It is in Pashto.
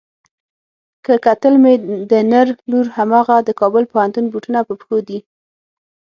که کتل مې د نر لور هماغه د کابل پوهنتون بوټونه په پښو دي.